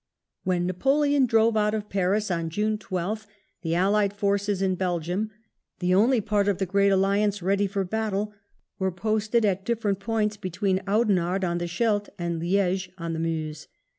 When Napoleon drove out of Paris on June 12th the Allied forces in Belgium, the only part of the Great Alliance ready for battle, were posted at different points between Oudenarde on the Scheldt and Liege on the Mouse.